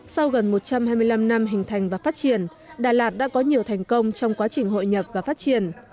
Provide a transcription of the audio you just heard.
sau gần một trăm hai mươi năm năm hình thành và phát triển đà lạt đã có nhiều thành công trong quá trình hội nhập và phát triển